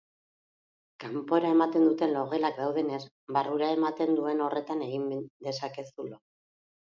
Kanpora ematen duten logelak daudenez, barrura ematen duen horretan egin dezakezu lo.